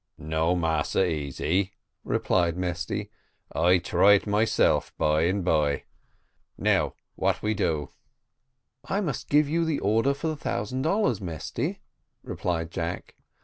"No, Massa Gascoigne," replied Mesty, "I try it myself, by and bye. Now what we do?" "I must give you the order for the thousand dollars, Mesty," replied Jack.